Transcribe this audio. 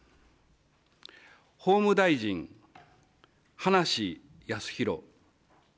法務大臣、葉梨康弘。